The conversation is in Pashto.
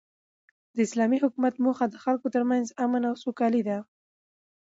د اسلامي حکومت موخه د خلکو تر منځ امن او سوکالي ده.